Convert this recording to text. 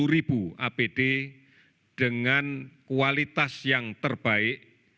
sembilan puluh ribu apd dengan kualitas yang terbaik